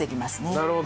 なるほど。